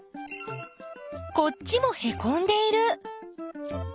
こっちもへこんでいる！